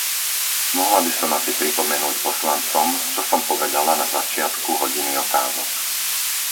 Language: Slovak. Mohla by som asi pripomenúť poslancom, čo som povedala na začiatku hodiny otázok.